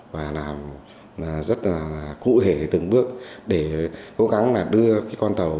và rất là cụ thể từng bước để cố gắng là đưa cái con tàu